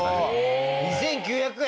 ２９００円！